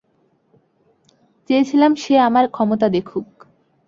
চেয়েছিলাম সে আমার ক্ষমতা দেখুক!